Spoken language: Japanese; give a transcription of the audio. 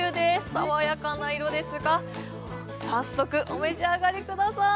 さわやかな色ですが早速お召し上がりください